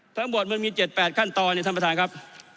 ทั้งหมดมันมี๗๘ขั้นตอนเนี่ยท่านประธานครับ